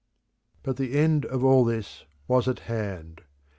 But the end of all this was at hand.